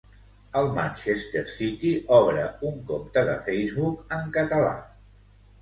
El Manchester City obre un compte de Facebook en català.